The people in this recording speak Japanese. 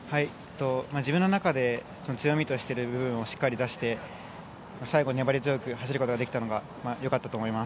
自分の中の強みとしている部分をしっかり出せて、最後粘り強く走ることができたのがよかったと思います。